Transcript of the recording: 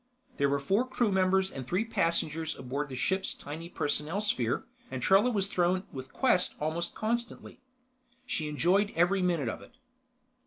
There were four crew members and three passengers aboard the ship's tiny personnel sphere, and Trella was thrown with Quest almost constantly. She enjoyed every minute of it.